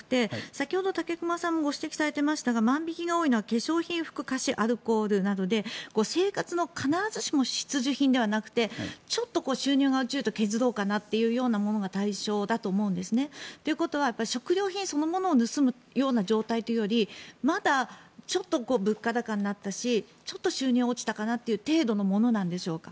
先ほど武隈さんもご指摘されていましたが万引きが多いのは化粧品、服菓子、アルコールなどで生活の必ずしも必需品ではなくてちょっと収入が落ちると削ろうかなというようなものが対象だと思うんですね。ということは食料品そのものを盗む状態というよりまだ、ちょっと物価高になったしちょっと収入が落ちたな程度のものなのでしょうか。